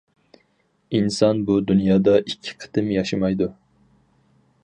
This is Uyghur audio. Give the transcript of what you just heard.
ئىنسان بۇ دۇنيادا ئىككى قېتىم ياشىمايدۇ.